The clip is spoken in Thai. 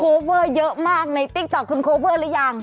เวอร์เยอะมากในติ๊กต๊อกคุณโคเวอร์หรือยัง